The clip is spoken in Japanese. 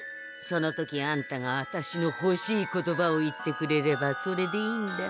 その時あんたがあたしのほしい言葉を言ってくれればそれでいいんだ。